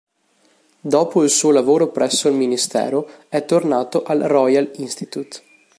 Dopo il suo lavoro presso il ministero, è tornato al Royal Institute.